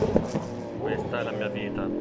Questa è la mia vita.